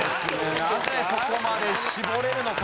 なぜそこまで絞れるのか？